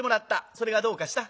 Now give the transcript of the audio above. それがどうかした？」。